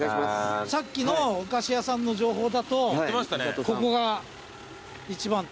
さっきのお菓子屋さんの情報だとここが一番って。